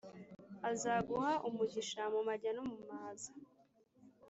“Azaguha umugisha mu majya no mu maza.